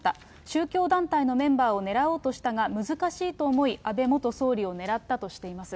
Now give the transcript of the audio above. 宗教団体のメンバーを狙おうとしたが難しいと思い、安倍元総理を狙ったとしています。